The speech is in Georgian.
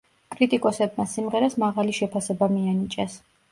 კრიტიკოსებმა სიმღერას მაღალი შეფასება მიანიჭეს.